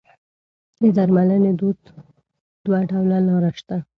د درملنې دوه ډوله لاره شته.